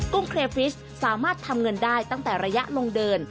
ุ้งเครฟริสสามารถทำเงินได้ตั้งแต่ระยะลงเดิน